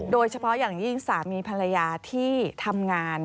โดยเฉพาะอย่างยิ่งสามีภรรยาที่ทำงาน